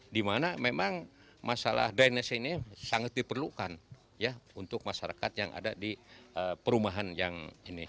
di mana memang masalah dynese ini sangat diperlukan ya untuk masyarakat yang ada di perumahan yang ini